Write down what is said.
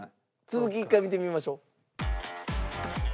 続き一回見てみましょう。